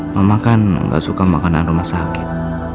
mama kan nggak suka makanan rumah sakit